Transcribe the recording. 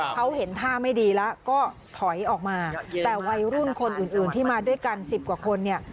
เขาเห็นท่าไม่ดีแล้วก็ถอยออกมาแต่วัยรุ่นคนอื่นอื่นที่มาด้วยกันสิบกว่าคนเนี่ย